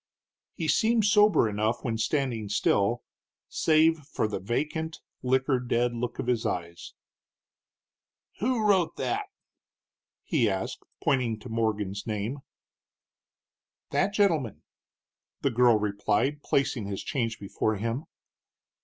He seemed sober enough when standing still, save for the vacant, liquor dead look of his eyes. "Who wrote that?" he asked, pointing to Morgan's name. "That gentleman," the girl replied, placing his change before him.